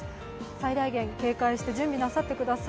最大限警戒して準備なさってください。